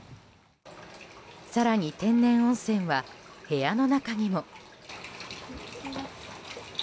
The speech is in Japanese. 更に天然温泉は部屋の中にも。